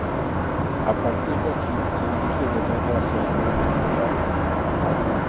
A partir de aquí se dirige de nuevo hacia el norte por la Avda.